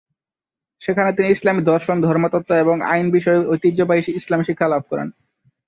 সেখানে তিনি ইসলামি দর্শন, ধর্মতত্ত্ব এবং আইন বিষয়ে ঐতিহ্যবাহী ইসলামি শিক্ষা লাভ করেন।